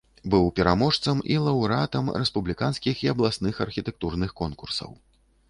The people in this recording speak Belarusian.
Быў пераможцам і лаўрэатам рэспубліканскіх і абласных архітэктурных конкурсаў.